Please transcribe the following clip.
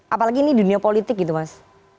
apalagi ini dunia politik gitu mas